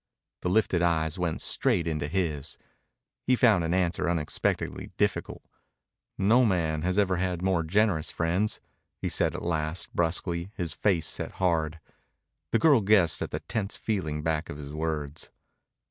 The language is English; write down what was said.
The lifted eyes went straight into his. He found an answer unexpectedly difficult. "No man ever had more generous friends," he said at last brusquely, his face set hard. The girl guessed at the tense feeling back of his words.